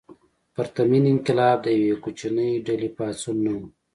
پرتمین انقلاب د یوې کوچنۍ ډلې پاڅون نه و.